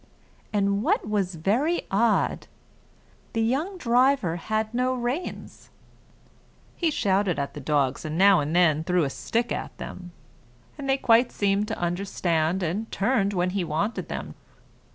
And what was very odd the young driver had no reins; he shouted at the dogs and now and then threw a stick at them, and they quite seemed to understand, and turned when he wanted them.